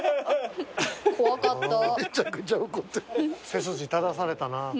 背筋正されたな。